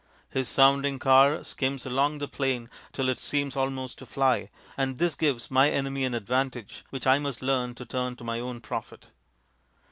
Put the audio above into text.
His sounding car skims along the plain till it seems almost to fly, and this gives my enemy an advantage which I must learn to turn to my own profit.